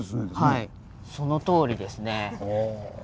はいそのとおりですね。